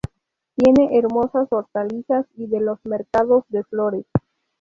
Tiene hermosas hortalizas y de los mercados de flores.